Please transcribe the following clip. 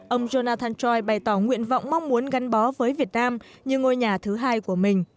ông jonathan choi bày tỏ nguyện vọng mong muốn gắn bó với việt nam như ngôi nhà thứ hai của mình